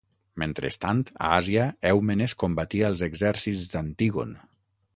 Mentrestant, a Àsia, Èumenes combatia els exèrcits d'Antígon.